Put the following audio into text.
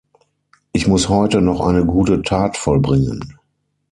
Ich muss heute noch eine gute Tat vollbringen.